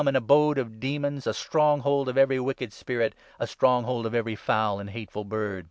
'in abode of demons, a stronghold of every wicked spirit, a stronghold of every foul and hateful bird.